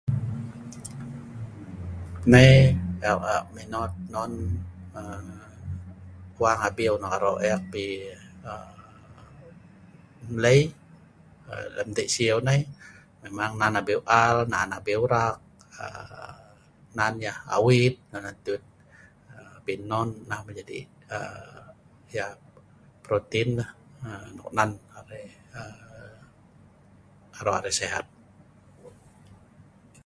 nai eek lak menot on wang abiu nok aro' eek pi nlei, aa lem dei siu nai, memang nan abiu al, nan abiu rak', aa nan yah awit, nonah dut.. abin non nah jai aa yah aa protein la.. aa nan aa aro' arai sehat